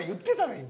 今。